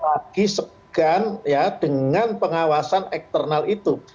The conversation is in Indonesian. lagi segan ya dengan pengawasan eksternal itu